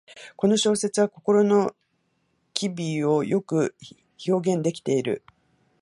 この小説は心の機微をよく表現できている